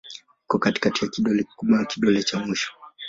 Iko kati ya kidole kikubwa na kidole cha mwisho.